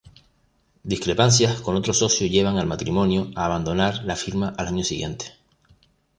Discrepancias con otro socio llevan al matrimonio a abandonar la firma al año siguiente.